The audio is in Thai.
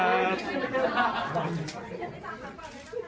ขอสายตาซ้ายสุดด้วยครับ